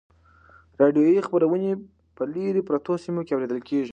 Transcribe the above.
راډیویي خپرونې په لیرې پرتو سیمو کې اورېدل کیږي.